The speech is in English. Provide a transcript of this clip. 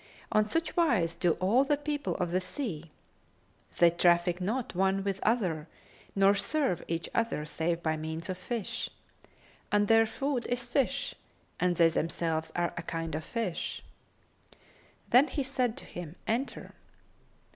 On such wise do all the people of the sea; they traffic not one with other nor serve each other save by means of fish; and their food is fish and they themselves are a kind of fish.[FN#271]" Then he said to him, "Enter!"